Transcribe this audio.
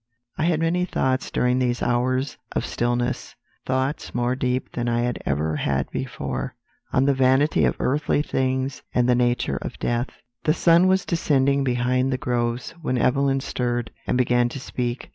"I had many thoughts during these hours of stillness thoughts more deep than I had ever had before, on the vanity of earthly things and the nature of death. "The sun was descending behind the groves when Evelyn stirred, and began to speak.